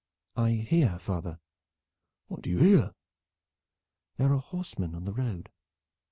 "I hear, father." "What do you hear?" "There are horsemen on the road."